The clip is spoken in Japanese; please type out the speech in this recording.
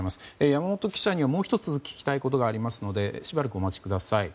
山本記者にもう１つ聞きたいことがありますのでしばらくお待ちください。